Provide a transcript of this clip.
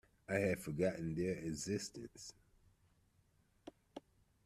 I had forgotten their existence.